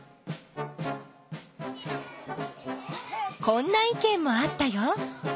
こんないけんもあったよ。